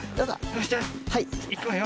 よしじゃあいくわよ。